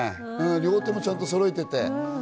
両手もちゃんとそろえていて。